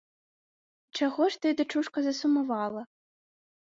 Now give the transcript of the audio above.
І чаго ж ты, дачушка, засумавала?